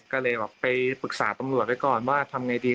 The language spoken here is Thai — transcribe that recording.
ก็เลยแบบไปปรึกษาตำรวจไว้ก่อนว่าทำไงดี